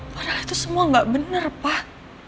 padahal itu semua gak bener pak